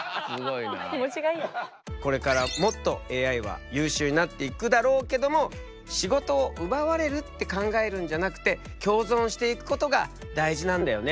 これからもっとＡＩは優秀になっていくだろうけども仕事を奪われるって考えるんじゃなくて共存していくことが大事なんだよね。